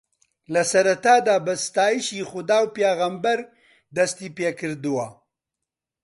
لەسەرەتادا بە ستایشی خودا و پێغەمبەر دەستی پێکردووە